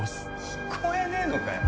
聞こえねえのかよ？